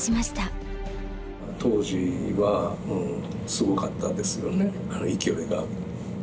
当時はすごかったですよね勢いが。